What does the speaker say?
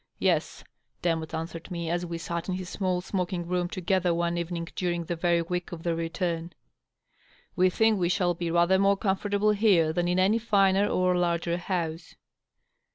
" Yes," Demotte answered me, as we sat in his small smoking room together one even ing during the very week of their return; "we think we shall be rather more comfortable here than in any finer or larger house."